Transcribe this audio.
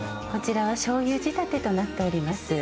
こちらはしょうゆ仕立てとなっております。